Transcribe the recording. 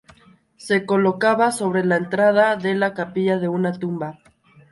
Se colocaba sobre la entrada de la capilla de una tumba.